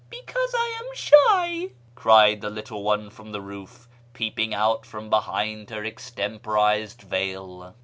" Because I am shy," cried the little one from the roof, peeping out from behind her extemporised veil.